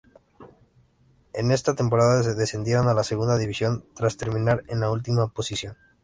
En esa temporada descendieron a la segunda división tras terminar en la última posición.